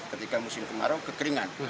ketika musim kemarau kekeringan